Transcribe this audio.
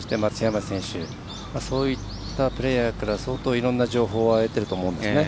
そういったプレーヤーから相当、いろんな情報を得ていると思うんですね。